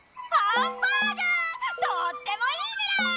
とってもいいメラ！